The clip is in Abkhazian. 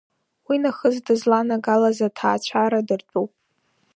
Уи нахыс дызланагалаз аҭаацәара дыртәуп.